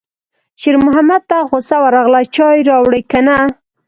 شېرمحمد ته غوسه ورغله: چای راوړې که نه